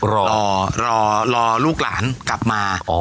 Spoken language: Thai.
รอรอลูกหลานกลับมา